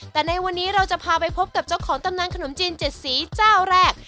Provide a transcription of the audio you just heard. แต่ในวันนี้เราจะพาไปพบกับเจ้าของตำนานขนมจีน๗สีเจ้าแรก